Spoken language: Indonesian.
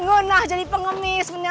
enggak jadi pengemis